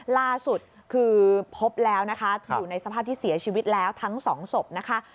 ล่าสุดคือพบแล้วนะคะอยู่ในสภาพที่เสียชีวิตแล้วทั้งสองศพนะคะ